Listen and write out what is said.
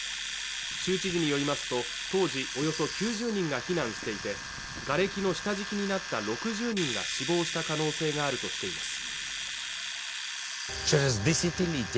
州知事によりますと当時およそ９０人が避難していてがれきの下敷きになった６０人が死亡した可能性があるとしています